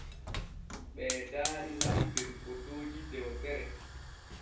Ɓee daari na’i der fotooji dewtere.